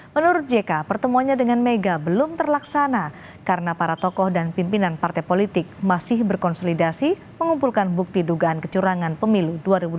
menurut jk pertemuannya dengan mega belum terlaksana karena para tokoh dan pimpinan partai politik masih berkonsolidasi mengumpulkan bukti dugaan kecurangan pemilu dua ribu dua puluh